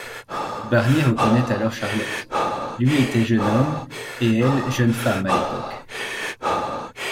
Barnier reconnaît alors Charlotte, lui était jeune homme et elle jeune femme à l'époque.